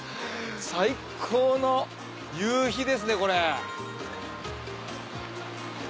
最高の夕日ですねこれ。